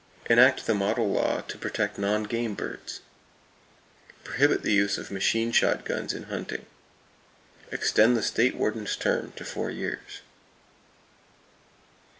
Enact the model law to protect non game birds. Prohibit the use of machine shot guns in hunting. Extend the State Warden's term to four years.